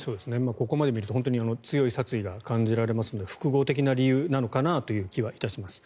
ここまで見ると強い殺意が感じられますが複合的な理由なのかなという気は致します。